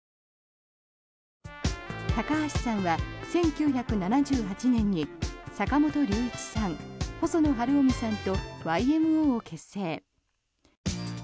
高橋さんは１９７８年に坂本龍一さん、細野晴臣さんとＹＭＯを結成。